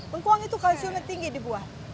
bengkuang itu kalsiumnya tinggi di buah